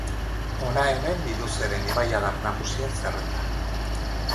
Hona hemen Biduzeren ibaiadar nagusien zerrenda.